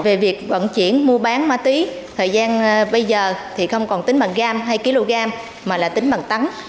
về việc vận chuyển mua bán ma túy thời gian bây giờ thì không còn tính bằng gram hay kg mà là tính bằng tắn